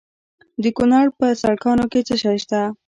د کونړ په سرکاڼو کې څه شی شته؟